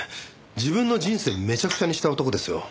自分の人生をめちゃくちゃにした男ですよ？